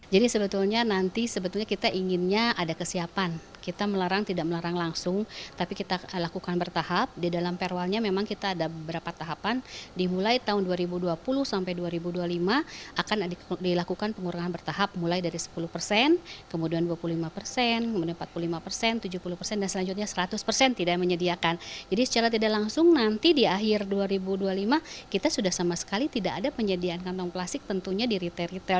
jadi secara tidak langsung nanti di akhir dua ribu dua puluh lima kita sudah sama sekali tidak ada penyediaan kantong plastik tentunya di retail retail